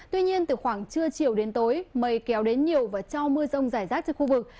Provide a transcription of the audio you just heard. tuy nhiên từ khoảng trưa chiều đến tối mây kéo đến nhiều và cho mưa rông rải rác cho khu vực